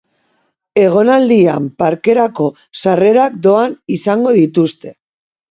Egonaldian, parkerako sarrerak doan izango dituzte.